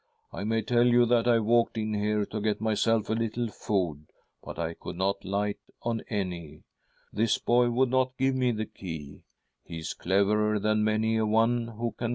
' I may tell you that I walked in here to get myself a little food, but I could not light on any. This boy would not give me the key. He's cleverer than many a one who can walk ._ Wii'. ■_.^*■